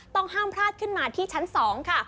ต้องห้ามพลาดขึ้นมาที่ชั้น๒ค่ะ